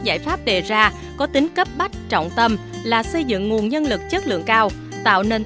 nguồn nhân lực về ra có tính cấp bách trọng tâm là xây dựng nguồn nhân lực chất lượng cao tạo nền